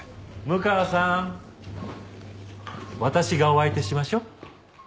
六川さん私がお相手しましょう。